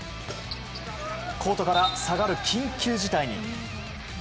コートから下がる緊急事態に。